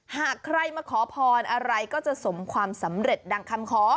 หากใครมาขอพรอะไรก็จะสมความสำเร็จดังคำขอ